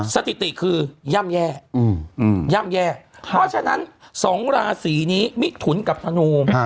สถิติคือย่ำแย่ย่ำแย่เพราะฉะนั้น๒ราศีนี้มิถุนกับธนู